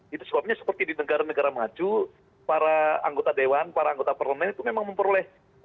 jadi soalnya seperti di negara negara maju para anggota dewan para anggota parlemen itu memang memperluas